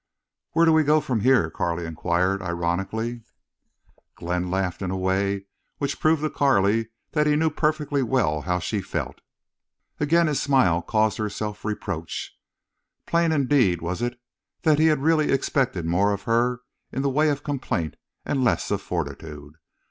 "Where do we go from here?" Carley inquired, ironically. Glenn laughed in a way which proved to Carley that he knew perfectly well how she felt. Again his smile caused her self reproach. Plain indeed was it that he had really expected more of her in the way of complaint and less of fortitude.